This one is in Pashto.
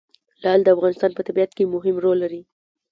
لعل د افغانستان په طبیعت کې مهم رول لري.